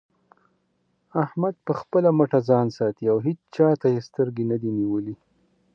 احمد په خپله مټه ځان ساتي او هيچا ته يې سترګې نه دې نيولې.